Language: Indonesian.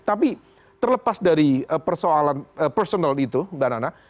tapi terlepas dari persoalan personal itu mbak nana